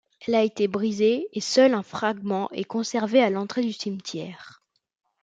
Elle a été brisée et seul un fragment est conservé à l'entrée du cimetière.